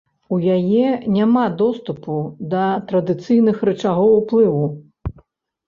У яе няма доступу да традыцыйных рычагоў уплыву.